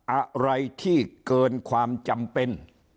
อะไรที่เกินความจำเป็น